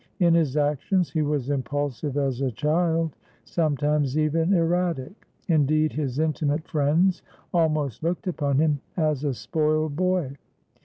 In his actions he was impulsive as a child, sometimes even erratic; indeed, his intimate friends almost looked upon him as a spoiled boy.